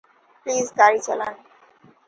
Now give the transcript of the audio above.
Please, গাড়ি চালান!